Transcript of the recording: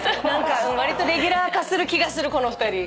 何かわりとレギュラー化する気がするこの２人。